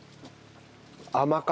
甘辛。